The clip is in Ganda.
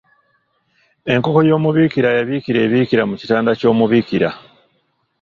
Enkoko y’omubiikira yabiikira e Biikira mu kitanda ky’omubiikira.